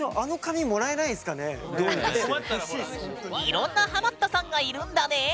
いろんなハマったさんがいるんだね。